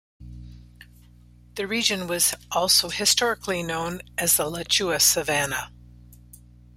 The region was also historically known as the Alachua Savannah.